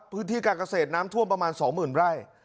พื้นที่การเกษตรน้ำทั่วมประมาณสองหมื่นไร่